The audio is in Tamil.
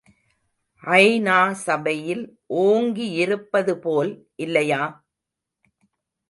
ஐ.நா சபையில் ஓங்கியிருப்பதுபோல் இல்லையா?